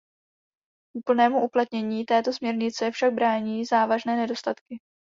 Úplnému uplatnění této směrnice však brání závažné nedostatky.